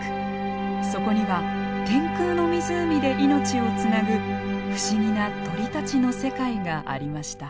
そこには天空の湖で命をつなぐ不思議な鳥たちの世界がありました。